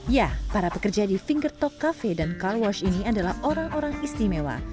ya para pekerja di finger talk cafe dan car wash ini adalah orang orang istimewa